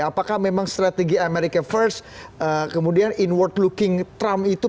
apakah memang strategi amerika first kemudian inward looking trump itu